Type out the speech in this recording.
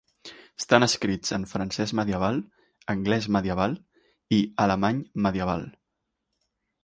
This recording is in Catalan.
Estan escrits en francès medieval, anglès medieval i alemany medieval.